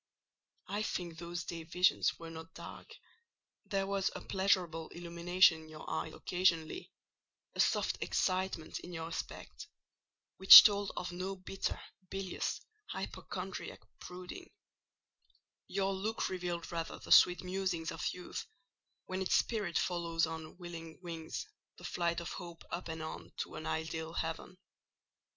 I think those day visions were not dark: there was a pleasurable illumination in your eye occasionally, a soft excitement in your aspect, which told of no bitter, bilious, hypochondriac brooding: your look revealed rather the sweet musings of youth when its spirit follows on willing wings the flight of Hope up and on to an ideal heaven.